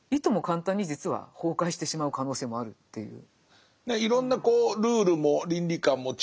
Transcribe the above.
簡単に実は崩壊してしまう可能性もあるっていう。